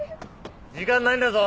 時間ないんだぞ！